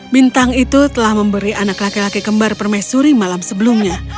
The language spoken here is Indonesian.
bintang itu telah memberi anak laki laki kembar permaisuri malam sebelumnya